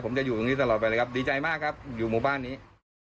ผมจะอยู่ตรงนี้ตลอดไปเลยครับดีใจมากครับอยู่หมู่บ้านนี้